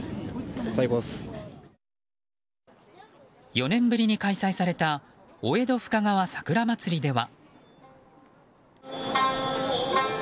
４年ぶりに開催されたお江戸深川さくらまつりでは。